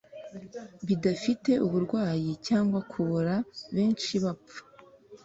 bidafite uburwayi cyangwa kubora Benshi bapfa